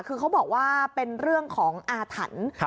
คือเขาบอกว่าเป็นเรื่องของอาถรรพ์